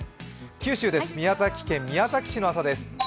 九州です、宮崎県宮崎市の朝です。